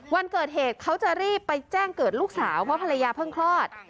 วันเกิดเหตุเขาจะรีบไปแจ้งเกิดลูกสาวเพราะภรรยาเพิ่งคลอด